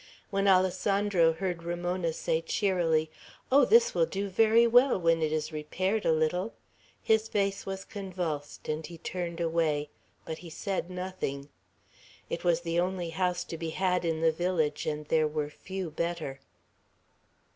When Alessandro heard Ramona say cheerily, "Oh, this will do very well, when it is repaired a little," his face was convulsed, and he turned away; but he said nothing. It was the only house to be had in the village, and there were few better.